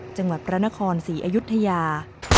จังหวัดพระนครศรีอยุธยา